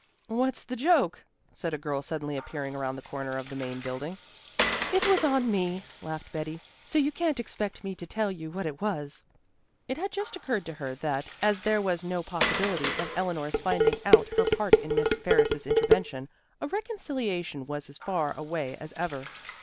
"What's the joke?" said a girl suddenly appearing around the corner of the Main Building. "It was on me," laughed Betty, "so you can't expect me to tell you what it was." It had just occurred to her that, as there was no possibility of Eleanor's finding out her part in Miss Ferris's intervention, a reconciliation was as far away as ever.